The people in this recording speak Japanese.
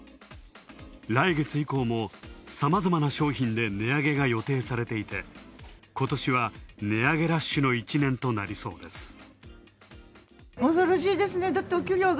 来月以降も、さまざまな商品で値上げが予定されていて今年は値上げラッシュの１年となりそうです。